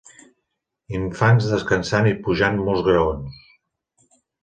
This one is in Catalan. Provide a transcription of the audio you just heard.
Infants descansant i pujant molts graons.